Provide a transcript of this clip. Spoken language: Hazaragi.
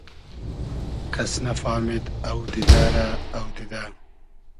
کئس نئفامید اۆدیدۂ رۂ اۆدیدۂ